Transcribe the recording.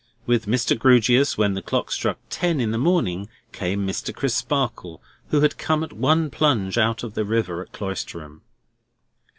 With Mr. Grewgious, when the clock struck ten in the morning, came Mr. Crisparkle, who had come at one plunge out of the river at Cloisterham.